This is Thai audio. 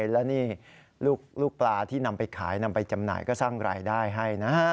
แล้วนี่ลูกปลาที่นำไปขายนำไปจำหน่ายก็สร้างรายได้ให้นะฮะ